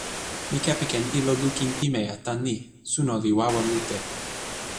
mi kepeken ilo lukin pimeja tan ni: suno li wawa mute.